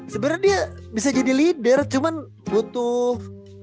sebenarnya dia bisa jadi leader cuman butuh